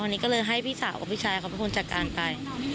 วันนี้ก็เลยให้พี่สาวกับพี่ชายเขาเป็นคนจัดการไป